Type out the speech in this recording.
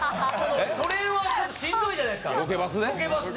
それはしんどいじゃないですか、ロケバスで。